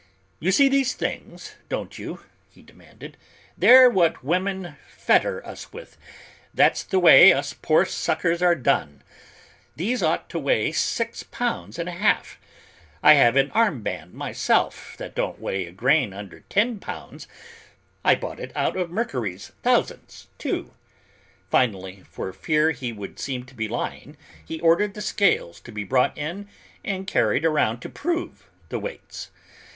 "You see these things, don't you?" he demanded; "they're what women fetter us with. That's the way us poor suckers are done! These ought to weigh six pounds and a half. I have an arm band myself, that don't weigh a grain under ten pounds; I bought it out of Mercury's thousandths, too." Finally, for fear he would seem to be lying, he ordered the scales to be brought in and carried around to prove the weights.